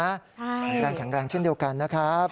แข็งแรงแข็งแรงเช่นเดียวกันนะครับ